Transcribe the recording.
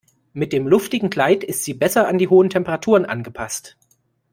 Mit dem luftigen Kleid ist sie besser an die hohen Temperaturen angepasst.